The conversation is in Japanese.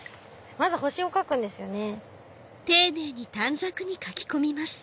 まず星を描くんですよね。